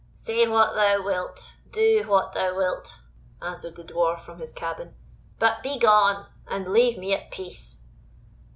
"Say what thou wilt do what thou wilt," answered the Dwarf from his cabin, "but begone, and leave me at peace."